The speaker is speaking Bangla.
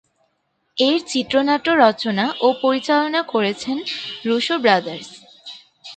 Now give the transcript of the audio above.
এর চিত্রনাট্য রচনা ও পরিচালনা করেছেন রুশো ব্রাদার্স।